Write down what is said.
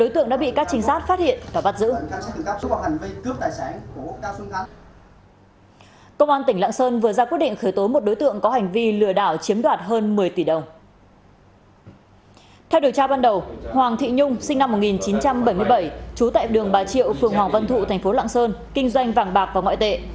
theo điều tra ban đầu hoàng thị nhung sinh năm một nghìn chín trăm bảy mươi bảy trú tại đường bà triệu phường hoàng văn thụ thành phố lạng sơn kinh doanh vàng bạc và ngoại tệ